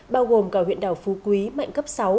bao gồm cả huyện đảo phú quý mạnh cấp sáu